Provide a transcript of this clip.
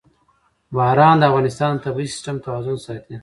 باران د افغانستان د طبعي سیسټم توازن ساتي.